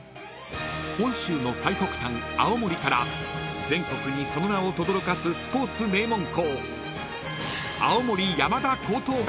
［本州の最北端青森から全国にその名をとどろかすスポーツ名門校］